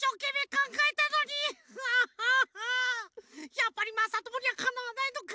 やっぱりまさともにはかなわないのか。